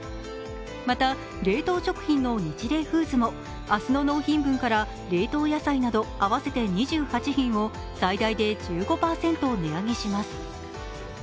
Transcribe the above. また、冷凍食品のニチレイフーズも明日の納品分から冷凍野菜など合わせて２８品を最大で１５％値上げします。